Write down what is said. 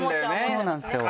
そうなんですよ。